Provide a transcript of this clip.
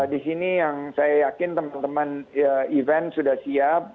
di sini yang saya yakin teman teman event sudah siap